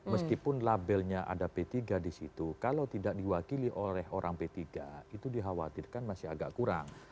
meskipun labelnya ada p tiga di situ kalau tidak diwakili oleh orang p tiga itu dikhawatirkan masih agak kurang